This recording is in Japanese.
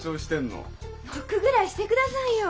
ノックぐらいしてくださいよ。